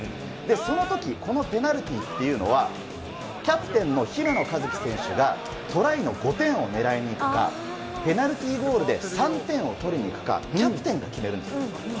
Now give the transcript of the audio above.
そのとき、このペナルティーというのは、キャプテンの姫野和樹選手が、トライの５点を狙いにいくか、ペナルティーゴールで３点を取りにいくか、キャプテンが決めるんですよ。